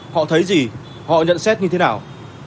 họ thấy gì họ nhận xét như thế nào